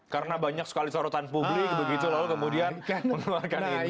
karena banyak sekali sorotan publik begitu lalu kemudian mengeluarkan inggup